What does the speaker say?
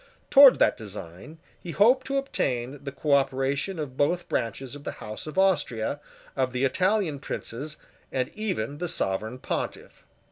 Towards that design he hoped to obtain the cooperation of both branches of the House of Austria, of the Italian princes, and even of the Sovereign Pontiff.